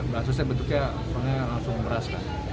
bansosnya bentuknya maksudnya langsung beras kan